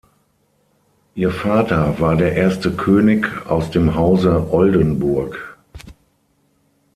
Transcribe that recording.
Ihr Vater war der erste König aus dem Hause Oldenburg.